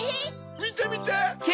みてみて！